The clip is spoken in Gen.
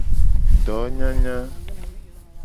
Donyanya.